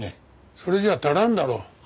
それじゃあ足らんだろう。